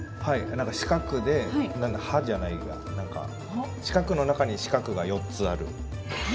何か四角で歯じゃないが何か四角の中に四角が４つある。